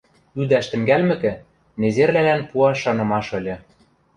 Ӱдӓш тӹнгӓлмӹкӹ, незервлӓлӓн пуаш шанымаш ыльы.